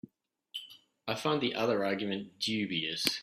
I find the other argument dubious.